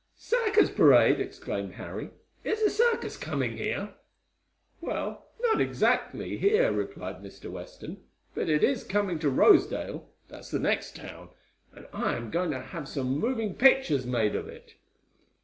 "Circus parade!" exclaimed Harry. "Is a circus coming here?" "Well, not exactly here," replied Mr. Weston. "But it is coming to Rosedale that's the next town and I am going to have some moving pictures made of it."